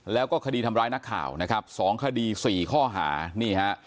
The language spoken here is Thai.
แล้วก็คดีทำร้ายนักข่าวนะครับสองคดีสี่ข้อหานี่ฮะ